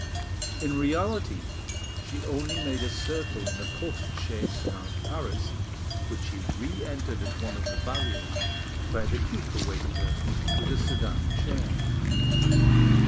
In reality she only made a circle in a post chaise round Paris, which she re entered at one of the barriers, where the duke awaited her with a sedan chair.